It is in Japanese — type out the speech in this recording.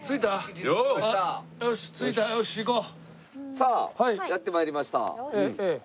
さあやって参りました。